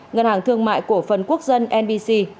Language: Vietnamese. ngân hàng thương mại cổ phần quốc dân nbc